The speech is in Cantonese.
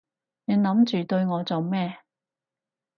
你諗住對我做咩？